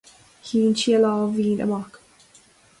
Shín sí a lámh mhín amach.